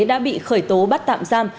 đã bị khởi tố bắt tạm giam